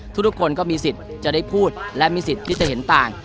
ทุกคนก็มีสิทธิ์จะได้พูดและมีสิทธิ์ที่จะเห็นต่าง